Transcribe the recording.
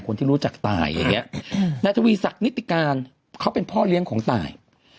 คนที่รู้จักตายอย่างเงี้ยนายทวีศักดิติการเขาเป็นพ่อเลี้ยงของตาย